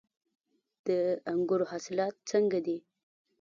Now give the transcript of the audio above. د انګورو حاصلات څنګه دي؟